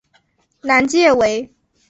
南界为。